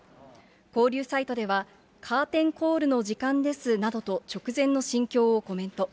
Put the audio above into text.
交流サイトでは、カーテンコールの時間ですなどと直前の心境をコメント。